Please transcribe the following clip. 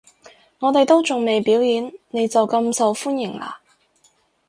我哋都仲未表演，你就咁受歡迎喇